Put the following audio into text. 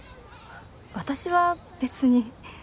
私は別に。